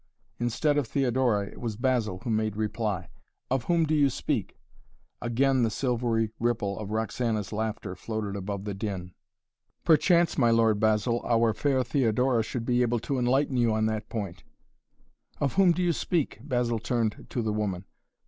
Instead of Theodora, it was Basil who made reply. "Of whom do you speak?" Again the silvery ripple of Roxana's laughter floated above the din. "Perchance, my Lord Basil, our fair Theodora should be able to enlighten you on that point " "Of whom do you speak?" Basil turned to the woman.